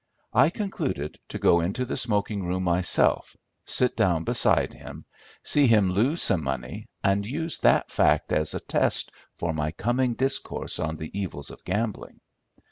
I concluded to go into the smoking room myself, sit down beside him, see him lose some money and use that fact as a test for my coming discourse on the evils of gambling.